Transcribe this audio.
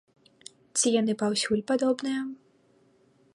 Ці яны паўсюль падобныя?